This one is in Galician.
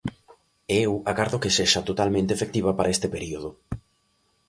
E eu agardo que sexa totalmente efectiva para este período.